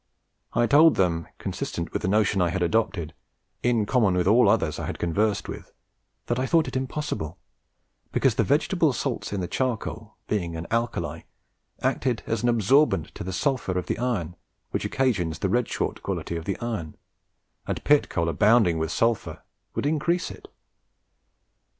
I told them, consistent with the notion I had adopted in common with all others I had conversed with, that I thought it impossible, because the vegetable salts in the charcoal being an alkali acted as an absorbent to the sulphur of the iron, which occasions the red short quality of the iron, and pit coal abounding with sulphur would increase it.